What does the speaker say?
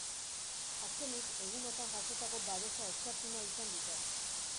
Azkenik, egunotan jasotako babesa eskertu nahi izan dute.